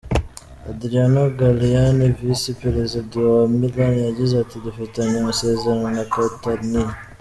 Adriano Galliani, Visi Perezida wa Milan, yagize ati: “Dufitanye amasezerano na Catania.